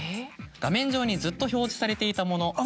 画面上にずっと表示されていたもの。